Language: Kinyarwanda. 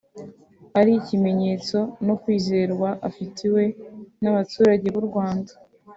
ari ikimenyetso no kwizerwa afitiwe n’abaturage b’u Rwanda